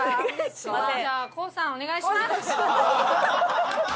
すみません。